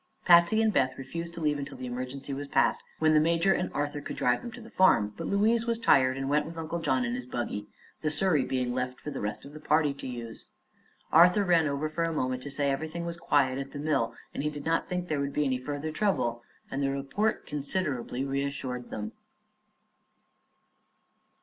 Patsy and Beth refused to leave until the emergency was past, when the major and Arthur could drive them to the farm, but Louise was tired and went with Uncle John in his buggy, the surrey being left for the rest of the party to use. Arthur ran over for a moment to say everything was quiet at the mill and he did not think there would be any further trouble, and the report considerably reassured them.